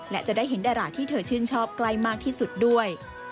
และจะได้เห็นดาราที่เธอชื่นชอบใกล้มากที่สุดด้วย